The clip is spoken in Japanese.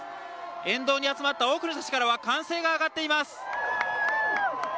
沿道に集まった多くの人たちから歓声が上がっています。